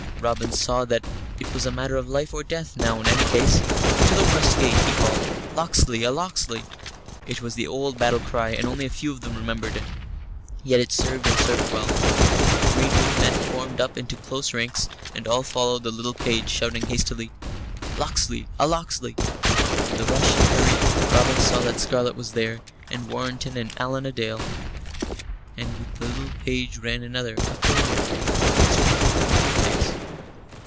Robin saw that it was a matter of life or death now in any case. "To the west gate!" he called, "Locksley! a Locksley!" It was the old battle cry, and only a few of them remembered it. Yet it served and served well. The greenwood men formed up into close ranks, and all followed the little page, shouting lustily, "Locksley! a Locksley!" In the rush and hurry Robin saw that Scarlett was there, and Warrenton and Allan a Dale. And with the little page ran another, a fair haired boy, with strangely familiar face.